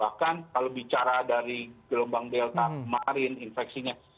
bahkan kalau bicara dari gelombang delta kemarin infeksinya